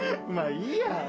まあいいや。